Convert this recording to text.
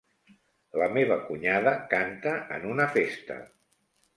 La meva cunyada canta en una festa.